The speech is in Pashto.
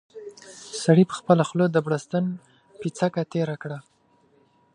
سړي په خپله خوله د بړستن پېڅکه تېره کړه.